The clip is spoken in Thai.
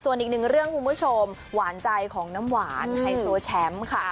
ส่วนอีกหนึ่งเรื่องคุณผู้ชมหวานใจของน้ำหวานไฮโซแชมป์ค่ะ